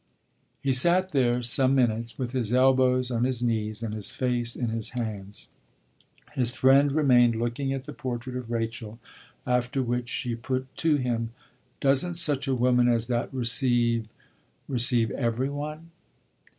He sat there some minutes with his elbows on his knees and his face in his hands. His friend remained looking at the portrait of Rachel, after which she put to him: "Doesn't such a woman as that receive receive every one?"